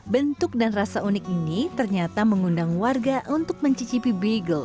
bentuk dan rasa unik ini ternyata mengundang warga untuk mencicipi bagel